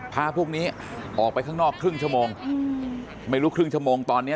พาพวกนี้ออกไปข้างนอกครึ่งชั่วโมงไม่รู้ครึ่งชั่วโมงตอนนี้